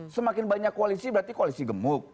semakin banyak koalisi berarti koalisi gemuk